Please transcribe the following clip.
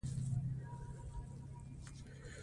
ازادي راډیو د د تګ راتګ ازادي د تحول لړۍ تعقیب کړې.